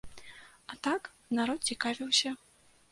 А так, народ цікавіўся.